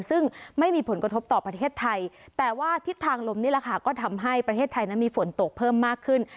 ซึ่งไม่มีผลกระทบต่อประเทศไทยแต่ว่าทิศทางลมนี่แหละค่ะก็ทำให้ประเทศไทยนั้นมีฝนตกเพิ่มมากขึ้น